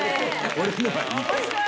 俺のはいい。